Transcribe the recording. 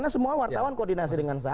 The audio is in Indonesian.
karena semua wartawan koordinasi dengan saya